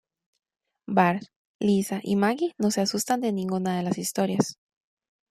Bart, Lisa y Maggie no se asustan de ninguna de las historias.